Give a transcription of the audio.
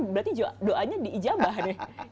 berarti doanya diijabah nih